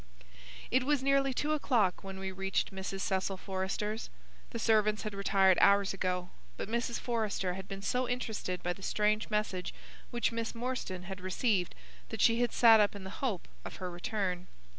It was nearly two o'clock when we reached Mrs. Cecil Forrester's. The servants had retired hours ago, but Mrs. Forrester had been so interested by the strange message which Miss Morstan had received that she had sat up in the hope of her return.